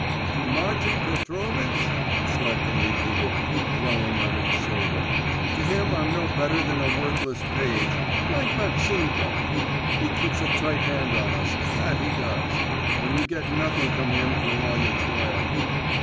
'To Martin Petrovitch?' Sletkin repeated, dwelling on each syllable. 'To him I'm no better than a worthless page, like Maximka. He keeps a tight hand on us, that he does, and you get nothing from him for all your toil.